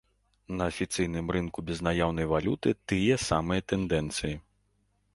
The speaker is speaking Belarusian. На афіцыйным рынку безнаяўнай валюты тыя самыя тэндэнцыі.